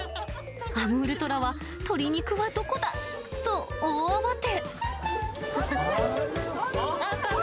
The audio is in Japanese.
アムールトラは、鶏肉はどこだ？と大慌て。